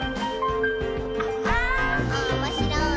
「おもしろいなぁ」